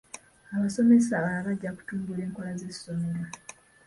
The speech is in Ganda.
Abasomesa abalala bajja kutumbula enkola z'essomero.